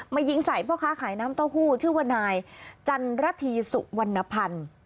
ยิงใส่พ่อค้าขายน้ำเต้าหู้ชื่อว่านายจันระธีสุวรรณภัณฑ์